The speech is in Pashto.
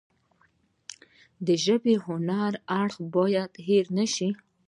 د ژبې هنري اړخ باید هیر نشي.